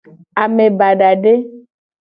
Ame badade.